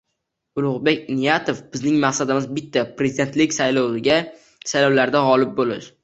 Ulug‘bek Inoyatov: “Bizning maqsadimiz bitta — Prezidentlik saylovlarida g‘olib bo‘lish”